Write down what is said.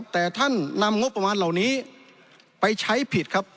แต่ท่านนำงบประมาณเหล่านี้ไปใช้ผิดครับ